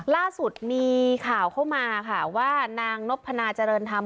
ล่าสุดมีข่าวเข้ามาค่ะว่านางนพนาเจริญธรรม